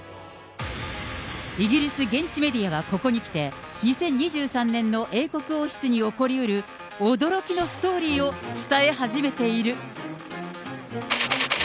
イギリス現地メディアはここにきて、２０２３年の英国王室に起こりうる驚きのストーリーを伝え始めている。